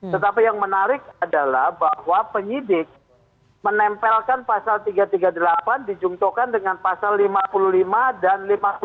tetapi yang menarik adalah bahwa penyidik menempelkan pasal tiga ratus tiga puluh delapan dijungtokan dengan pasal lima puluh lima dan lima puluh